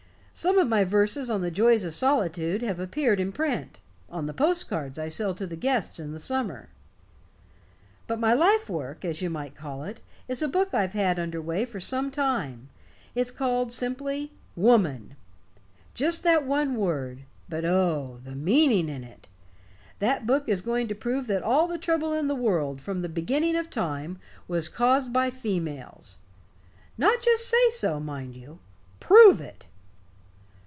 Some of my verses on the joys of solitude have appeared in print on the post cards I sell to the guests in the summer. But my life work, as you might call it, is a book I've had under way for some time. It's called simply Woman. Just that one word but, oh, the meaning in it! That book is going to prove that all the trouble in the world, from the beginning of time, was caused by females. Not just say so, mind you. Prove it!"